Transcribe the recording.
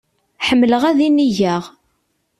Ḥemmleɣ ad inigeɣ.